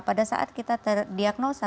pada saat kita terdiagnosa